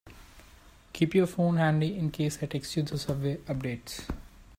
Keep your phone handy in case I text you with subway updates.